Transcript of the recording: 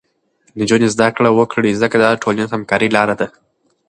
نجونې زده کړه وکړي، ځکه دا د ټولنیزې همکارۍ لاره ده.